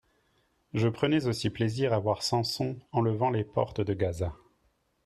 je prenais aussi plaisir à voir Samson enlevant les portes de Gaza.